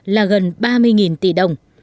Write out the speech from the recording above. là gần ba mươi tỷ đồng